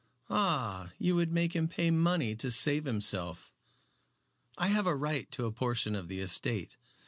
"Ah! You would make him pay money to save himself." "I have a right to a portion of the estate."